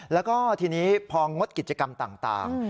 แล้วก็ทีนี้พองดกิจกรรมต่าง